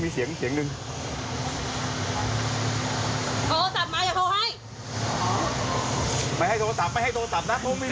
พี่ถ่อยรถออกก่อนได้ไหมครับ